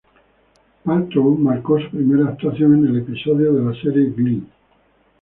Paltrow marcó su primera actuación en un episodio de la serie "Glee".